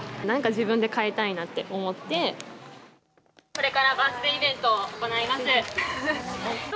これからバースデーイベントを行います。